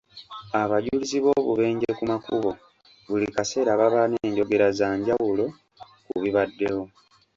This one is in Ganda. Abajulizi b'obubenje ku makubo buli kaseera baba n'enjogera za njawulo ku bibaddewo.